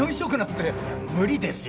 いや無理ですよ。